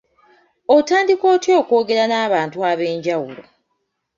Otandika otya okwogera n’abantu ab’enjawulo?